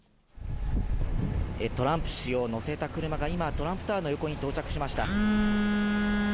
トランプ氏を乗せた車が今、トランプタワーの横に到着しました。